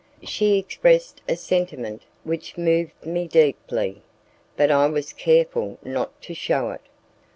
She expressed a sentiment which moved me deeply, but I was careful not to shew it.